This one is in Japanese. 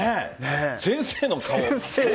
先生の顔。